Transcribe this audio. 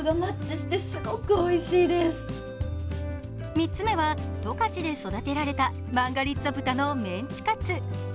３つ目は、十勝で育てられたマンガリッツァ豚のメンチカツ。